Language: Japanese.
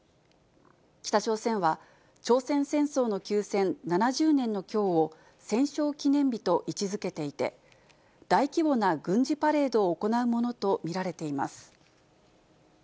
北朝鮮は、朝鮮戦争の休戦７０年のきょうを、戦勝記念日と位置づけていて、大規模な軍事パレードを行うものと見られています。